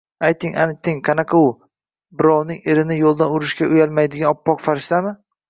-Ayting-ayting, qanaqa u? Birovning erini yo’ldan urishga uyalmaydigan oppoq farishtami?